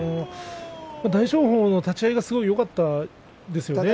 大翔鵬の立ち合いがすごくよかったんですよね